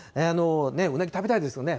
うなぎ、食べたいですよね。